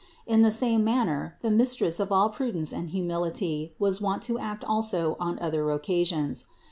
In the same manner the Mistress of all prudence and humility was wont to act also on other occasions.